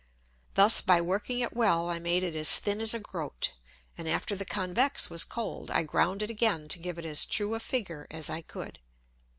Thus by working it well I made it as thin as a Groat, and after the convex was cold I ground it again to give it as true a Figure as I could.